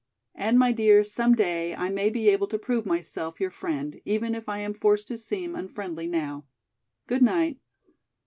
And, my dear, some day I may be able to prove myself your friend, even if I am forced to seem unfriendly now. Goodnight."